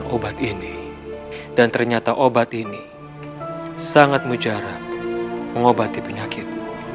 obat ini dan ternyata obat ini sangat mujarab mengobati penyakit